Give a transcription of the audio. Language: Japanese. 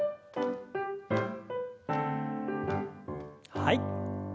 はい。